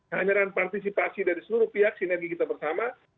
hanya dengan partisipasi dari seluruh pihak sinergi kita bersama